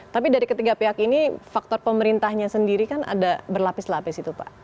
tapi dari ketiga pihak ini faktor pemerintahnya sendiri kan ada berlapis lapis itu pak